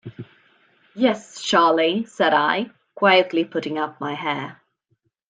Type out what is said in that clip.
"Yes, Charley," said I, quietly putting up my hair.